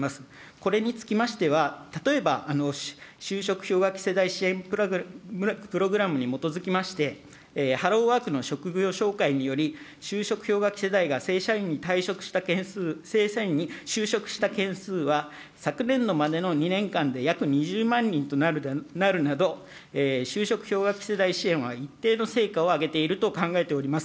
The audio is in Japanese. これにつきましては、例えば就職氷河期世代支援プログラムに基づきまして、ハローワークの職業紹介により、就職氷河期世代が正社員に退職した、正社員に就職した件数は、昨年度までの２年間で約２０万人となるなど、就職氷河期世代支援は一定の成果を上げていると考えております。